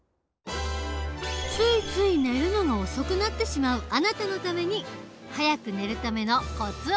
ついつい寝るのが遅くなってしまうあなたのために早く寝るためのコツを伝授。